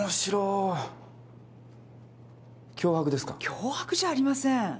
脅迫じゃありません。